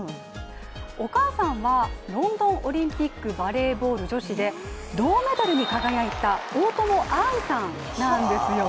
お母さんはロンドンオリンピックバレーボール女子で銅メダルに輝いた大友愛さんなんですよ。